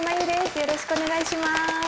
よろしくお願いします。